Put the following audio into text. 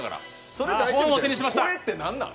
それって何なん。